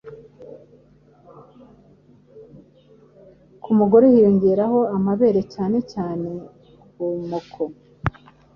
Ku mugore hiyongeraho amabere cyane cyane ku moko.